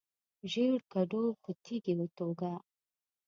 ژیړ کډو په تیږي وتوږه.